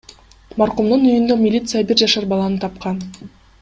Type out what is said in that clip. Маркумдун үйүндө милиция бир жашар баланы тапкан.